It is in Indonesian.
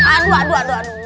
aduh aduh aduh